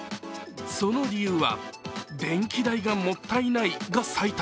その理由は、電気代がもったいないが最多。